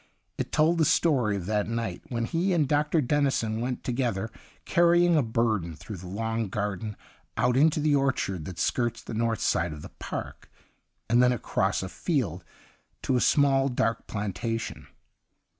It told the story of that night when he and Dr. Dennison went together carrying a burden through the long garden out into the orchard that skirts the north side of the park, and then across a field to a small, dark plantation.